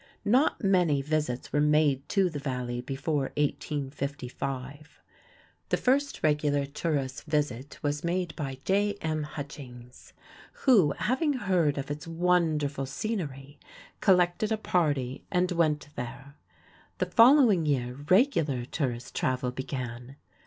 Not many visits were made to the Valley before 1855. The first regular tourists' visit was made by J. M. Hutchings, who, having heard of its wonderful scenery, collected a party and went there. The following year regular tourist travel began.